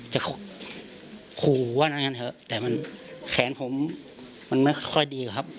จะขู่ว่านั้นเถอะแต่มันแขนผมมันไม่ค่อยดีครับ